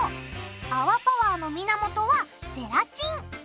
あわパワーの源はゼラチン！